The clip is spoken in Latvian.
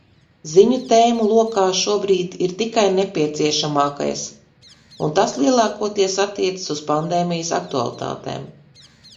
Ziņu tēmu lokā šobrīd ir tikai nepieciešamākais, un tas lielākoties attiecas uz pandēmijas aktualitātēm.